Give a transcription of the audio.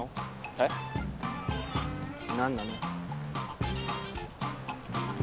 えっ？何なの？